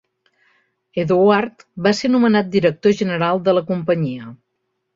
Edouard va ser nomenat director general de la companyia.